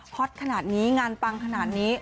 ฮอตขนาดนี้งานปังขนาดนี้